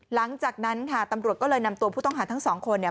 หลังจากนั้นค่ะตำรวจก็เลยนำตัวผู้ต้องหาทั้งสองคนเนี่ย